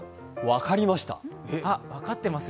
分かりました。